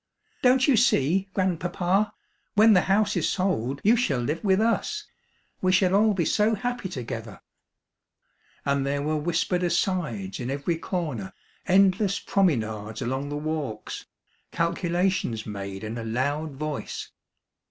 "Don't you see, grandpapa? when the house is sold you shall live with us ! We shall all be so happy together." And there were whispered asides in every corner, endless promenades along the walks, calculations made in a loud voice.